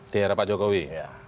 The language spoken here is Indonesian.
di daerah pak jokowi